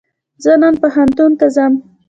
زه نن پوهنتون ته ځم